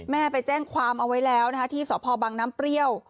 แม่ไปแจ้งความเอาไว้แล้วนะคะที่สพบังน้ำเปรี้ยว